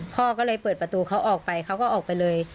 พ่อก็เลยเปิดประตูเขาออกไปเขาก็ออกไปเลย